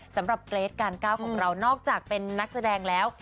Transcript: เกรทการก้าวของเรานอกจากเป็นนักแสดงแล้ว